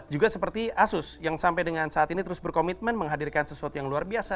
juga seperti asus yang sampai dengan saat ini terus berkomitmen menghadirkan sesuatu yang luar biasa